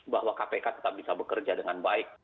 bahwa kpk tetap bisa bekerja dengan baik